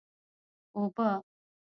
اوبه!